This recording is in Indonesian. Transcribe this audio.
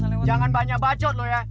eh jangan banyak bacot lu ya